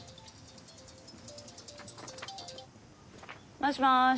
もしもーし。